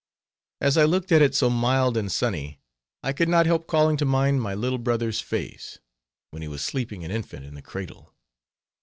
As I looked at it so mild and sunny, I could not help calling to mind my little brother's face, when he was sleeping an infant in the cradle.